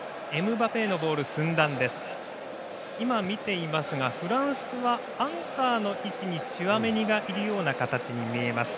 今、見ていますがフランスはアンカーの位置にチュアメニがいる形に見えます。